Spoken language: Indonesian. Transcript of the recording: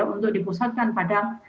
untuk dipusatkan pada